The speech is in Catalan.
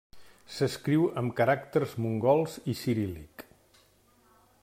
S'escriu amb caràcters mongols i ciríl·lic.